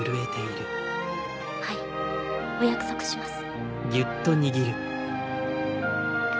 はいお約束します。